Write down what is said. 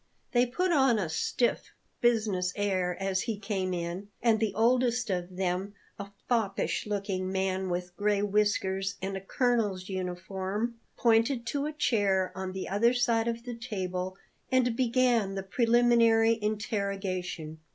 They put on a stiff, business air as he came in, and the oldest of them, a foppish looking man with gray whiskers and a colonel's uniform, pointed to a chair on the other side of the table and began the preliminary interrogation.